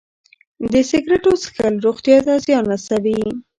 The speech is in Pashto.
د سګرټو څښل روغتیا ته زیان رسوي.